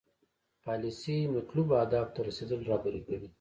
پالیسي مطلوبو اهدافو ته رسیدل رهبري کوي.